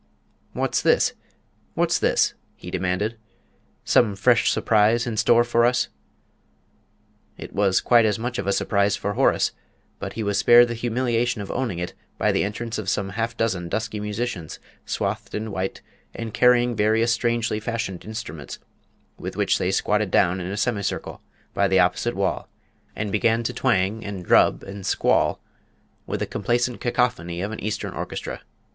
"What's this? What's this?" he demanded; "some fresh surprise in store for us?" It was quite as much of a surprise for Horace, but he was spared the humiliation of owning it by the entrance of some half dozen dusky musicians swathed in white and carrying various strangely fashioned instruments, with which they squatted down in a semi circle by the opposite wall, and began to twang, and drub, and squall with the complacent cacophony of an Eastern orchestra.